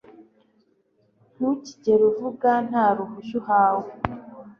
ntukigere uvuga nta ruhushya uhawe